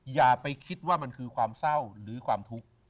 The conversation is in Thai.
อย่าไปคิดว่ามันคือความเศร้าหรือความทุกข์